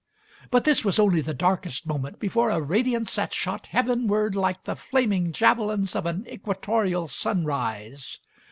But this was only the darkest moment before a radiance that shot heavenward like the flam ing javelins of an equatorial sunrise.